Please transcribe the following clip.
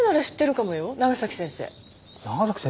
長崎先生？